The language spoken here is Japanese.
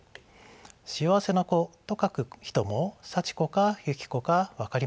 「幸せな子」と書く人も「さちこ」か「ゆきこ」か分かりません。